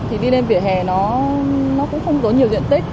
thì đi lên vỉa hè nó cũng không tốn nhiều diện tích